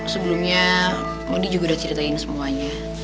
sebelumnya modi juga udah ceritain semuanya